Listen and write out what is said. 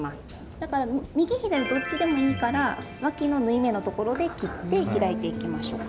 だから右左どっちでもいいからわきの縫い目のところで切って開いていきましょうか。